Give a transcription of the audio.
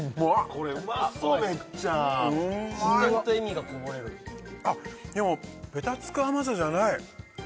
これうまそうめっちゃ自然と笑みがこぼれるあっでもべたつく甘さじゃない